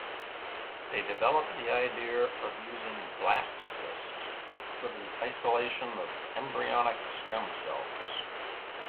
They developed the idea of using blastocysts for the isolation of embryonic stem cells.